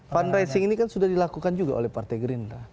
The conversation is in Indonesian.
fundraising ini kan sudah dilakukan juga oleh partai gerindra